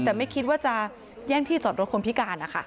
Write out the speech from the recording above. แต่ไม่คิดว่าจะแย่งที่จอดรถคนพิการนะคะ